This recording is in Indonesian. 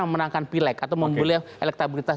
memenangkan pileg atau membeli elektabilitas